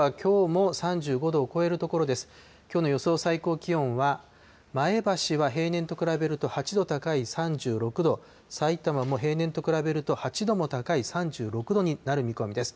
最高気温は、前橋は平年と比べると８度高い３６度、さいたまも平年と比べると８度も高い３６度になる見込みです。